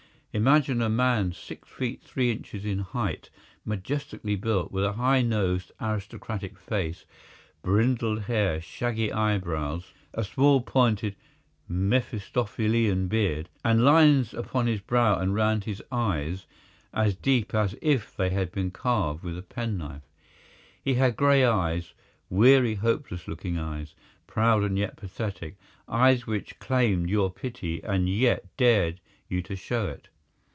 Imagine a man six feet three inches in height, majestically built, with a high nosed, aristocratic face, brindled hair, shaggy eyebrows, a small, pointed Mephistophelian beard, and lines upon his brow and round his eyes as deep as if they had been carved with a penknife. He had grey eyes, weary, hopeless looking eyes, proud and yet pathetic, eyes which claimed your pity and yet dared you to show it.